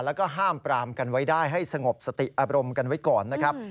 แล้วก็ห้ามปรามกันไว้ได้ให้สงบสติอารมณ์กันไว้ก่อนนะครับ